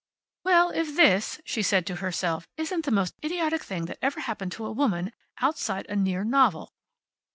"Well, if this," she said to herself, "isn't the most idiotic thing that ever happened to a woman outside a near novel."